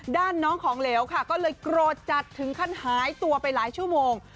ด้านน้องของเหลวค่ะก็เลยโกรธจัดถึงขั้นหายตัวไปหลายชั่วโมง